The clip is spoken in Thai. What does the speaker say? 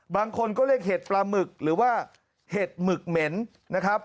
บางคนก็เรียกเห็ดปลาหมึกหรือว่าเห็ดหมึกเหม็นนะครับ